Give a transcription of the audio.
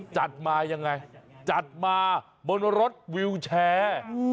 จัดมายังไงจัดมาบนรถวิวแชร์